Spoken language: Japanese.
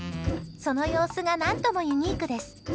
その様子が何ともユニークです。